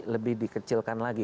lebih dikecilkan lagi